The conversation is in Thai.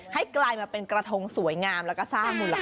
กลายมาเป็นกระทงสวยงามแล้วก็สร้างมูลค่า